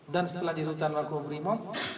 dan setelah di rutan makobrimo